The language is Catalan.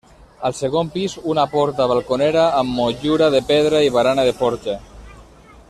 Al segon pis una porta balconera amb motllura de pedra i barana de forja.